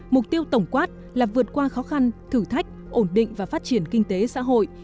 mục tiêu tổng quát là vượt qua khó khăn thử thách ổn định và phát triển kinh tế xã hội